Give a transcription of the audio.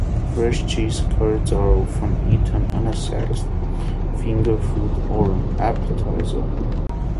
Fresh cheese curds are often eaten as a snack, finger food or an appetizer.